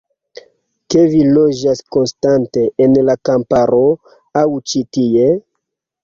Kie vi loĝas konstante, en la kamparo aŭ ĉi tie?